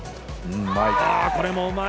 うまい。